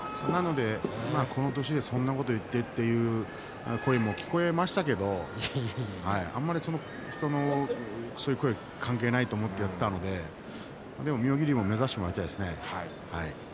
この年で、そんなことを言ってとそういう声も聞こえましたけど人の声は関係ないと思ってやっていたので妙義龍も目指してもらいたいですね。